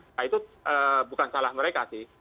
nah itu bukan salah mereka sih